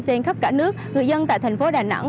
trên khắp cả nước người dân tại thành phố đà nẵng